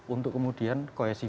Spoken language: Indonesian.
untuk kemudian konsumsi